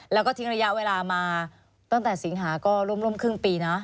แล้วก็ทิ้งระยะเวลามาตั้งแต่สิงหาก็ร่วมครึ่งปีนะ